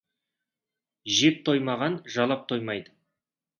Жеп тоймаған жалап тоймайды.